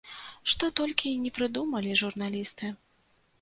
Што толькі ні прыдумалі журналісты.